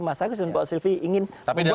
mas agus dan pak sivis ingin membuat semuanya baik